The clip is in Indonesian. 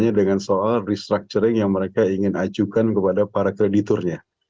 nah ini adalah soal restructuring yang mereka ingin ajukan kepada para krediturnya